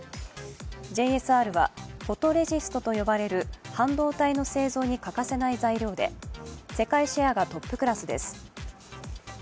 ＪＳＲはフォトレジストと呼ばれる半導体の製造に欠かせない材料で、世界シェアがトップクラスです。